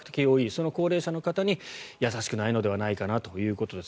その高齢者の方に優しくないのではないかなということです。